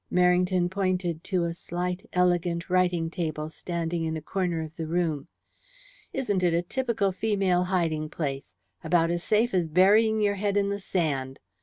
Merrington pointed to a slight, elegant writing table standing in a corner of the room. "Isn't it a typical female hiding place? About as safe as burying your head in the sand.